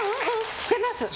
してます！